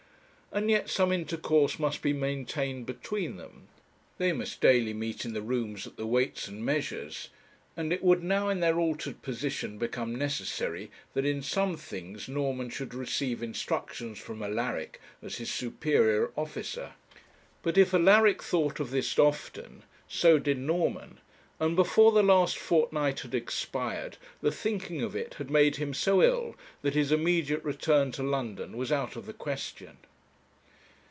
And yet some intercourse must be maintained between them; they must daily meet in the rooms at the Weights and Measures; and it would now in their altered position become necessary that in some things Norman should receive instructions from Alaric as his superior officer. But if Alaric thought of this often, so did Norman; and before the last fortnight had expired, the thinking of it had made him so ill that his immediate return to London was out of the question.